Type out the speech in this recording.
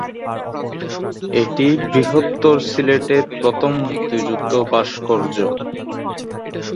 এটি বৃহত্তর সিলেটের প্রথম মুক্তিযুদ্ধ ভাস্কর্য।